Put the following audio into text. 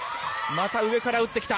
また上から打ってきた。